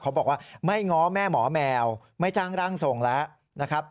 บอกว่าไม่ง้อแม่หมอแมวไม่จ้างร่างทรงแล้วนะครับ